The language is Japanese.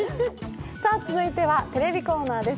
続いてはテレビコーナーです。